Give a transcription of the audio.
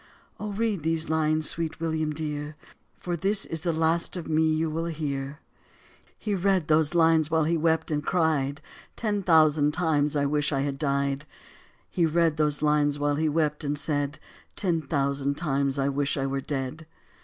"Oh, read these lines, sweet William dear. For this is the last of me you will hear." He read those lines while he wept and cried, "Ten thousand times I wish I had died", He read those lines while he wept and said, "Ten thousand times I wish I were dead."